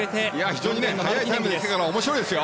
非常に速いタイムですから面白いですよ。